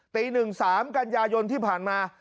ตี๑๓กันยายนที่ผ่านมา